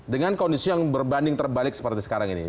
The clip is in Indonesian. dengan kondisi yang berbanding terbalik seperti sekarang ini